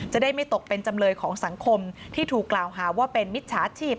จะได้ไม่ตกเป็นจำเลยของสังคมที่ถูกกล่าวหาว่าเป็นมิจฉาชีพ